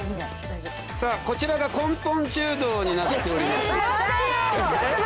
さあこちらが根本中堂になっております。